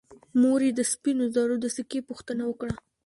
مور یې د سپینو زرو د سکې پوښتنه وکړه.